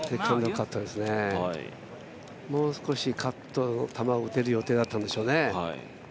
もう少しカットの球を打てる予定だったんでしょうね。